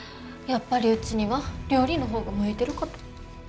やっぱりうちには料理の方が向いてるかと。